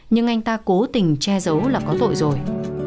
nhưng anh ta cố tình che giấu là có tội rồi